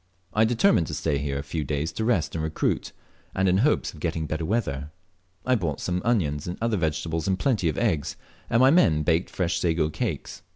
I determined to stay here a few days to rest and recruit, and in hopes of getting better weather. I bought some onions and other vegetables, and plenty of eggs, and my men baked fresh sago cakes.